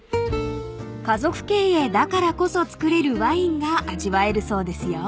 ［家族経営だからこそ造れるワインが味わえるそうですよ］